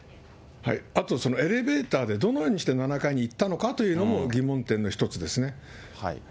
あと、そのエレベーターで、どのようにして７階に行ったのかというのも疑問点の一つですね。